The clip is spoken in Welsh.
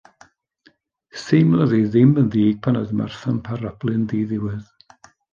Theimlodd hi ddim yn ddig pan oedd Martha yn parablu'n ddiddiwedd.